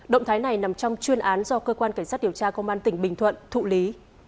động thái này nằm trong chuyên án do cơ quan cảnh sát điều tra công an tỉnh bình thuận thụ lý